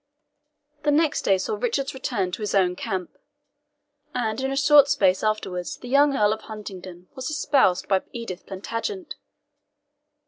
The next day saw Richard's return to his own camp, and in a short space afterwards the young Earl of Huntingdon was espoused by Edith Plantagenet.